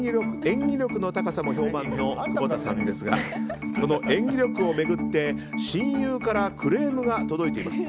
演技力の高さも評判の久保田さんですがこの演技力を巡って親友からクレームが届いています。